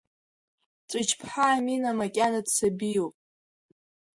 Ҵәыџь-ԥҳа Амина макьана дсабиуп.